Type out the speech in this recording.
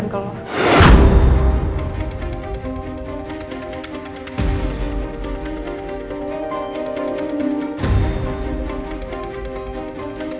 untuk memulai hidup baru